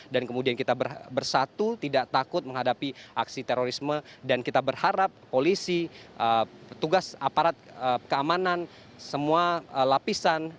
dan kemudian kita bersatu tidak takut menghadapi aksi terorisme dan kita berharap polisi tugas aparat keamanan semua lapisan